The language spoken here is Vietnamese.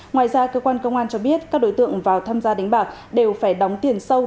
ngoài ra cơ quan công an cho biết các đối tượng vào tham gia đánh bạc đều phải đóng tiền sâu